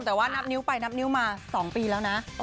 แต่ว่านับนิ้วไปนับนิ้วมา๒ปีแล้วนะ